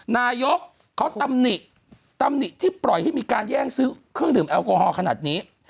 นายกเขาตำหนิตำหนิที่ปล่อยให้มีการแย่งซื้อเครื่องดื่มแอลกอฮอล์ขนาดนี้